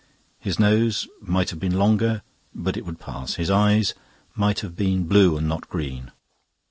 His nose might have been longer, but it would pass. His eyes might have been blue and not green.